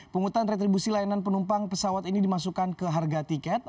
penghutang retribusi layanan penumpang pesawat ini dimasukkan ke harga tiket